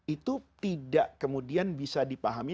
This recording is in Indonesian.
itu tidak kemudian bisa dipahami